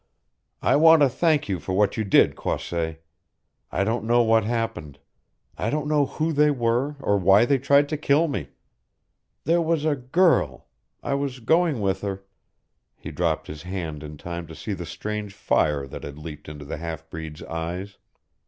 "I want to thank you for what you did, Croisset. I don't know what happened. I don't know who they were or why they tried to kill me. There was a girl I was going with her " He dropped his hand in time to see the strange fire that had leaped into the half breed's eyes.